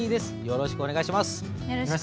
よろしくお願いします。